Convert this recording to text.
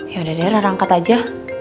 yaudah deh rarangkat aja